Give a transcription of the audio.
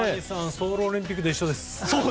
ソウルオリンピックで一緒でした。